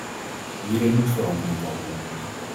Hierin moet verandering komen.